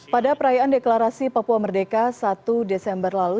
pada perayaan deklarasi papua merdeka satu desember lalu